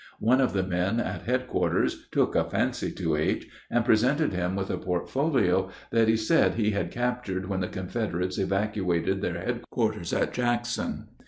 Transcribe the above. One of the men at headquarters took a fancy to H., and presented him with a portfolio that he said he had captured when the Confederates evacuated their headquarters at Jackson.